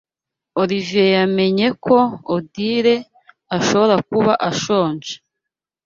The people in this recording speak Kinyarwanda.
Olivier yamenye ko Odile ashobora kuba ashonje.